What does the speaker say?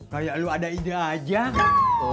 kayak lo ada ide aja